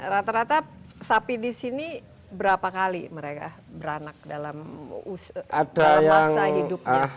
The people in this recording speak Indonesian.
rata rata sapi di sini berapa kali mereka beranak dalam masa hidupnya